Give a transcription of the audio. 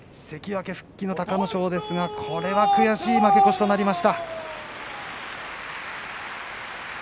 関脇復帰の隆の勝ですがこれは悔しい負け越しとなりました。